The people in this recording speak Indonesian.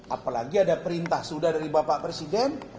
apalagi ada perintah sudah dari bapak presiden